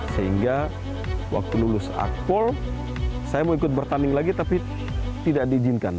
sehingga waktu lulus akpol saya mau ikut bertanding lagi tapi tidak diizinkan